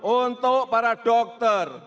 untuk para dokter